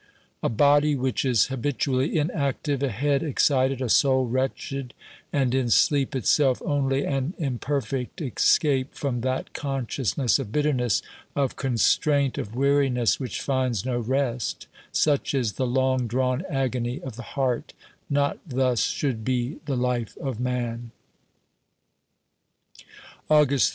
A body which is habitually inactive, a head excited, a soul wretched, and in sleep itself only an im perfect escape from that consciousness of bitterness, of constraint, of weariness which finds no rest — such is the long drawn agony of the heart ; not thus should be the life of man. OBERMANN 183 August 3.